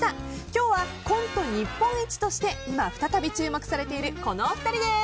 今日はコント日本一として今、再び注目されているこのお二人です。